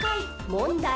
もんだい。